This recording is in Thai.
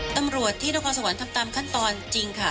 ตำรวจที่นครสวรรค์ทำตามขั้นตอนจริงค่ะ